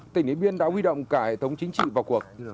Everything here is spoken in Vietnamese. tỉnh điện biên đã huy động cả hệ thống chính trị vào cuộc